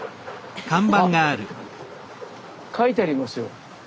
あっ書いてありますよ